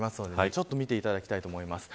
ちょっと見ていただきたいと思います。